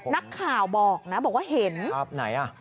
นักข่าวบอกนะบอกว่าเห็นไหน